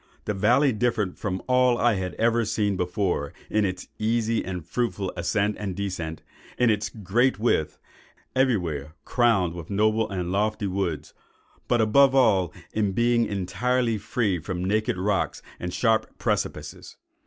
The valley differed from all I had ever seen before, in its easy and fruitful ascent and descent,—in its great width, everywhere crowned with noble and lofty woods,—but above all, in being entirely free from naked rocks and sharp precipices."